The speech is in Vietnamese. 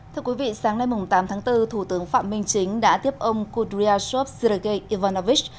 thưa quý vị sáng nay tám tháng bốn thủ tướng phạm minh chính đã tiếp ông kudryashov sergei ivanovich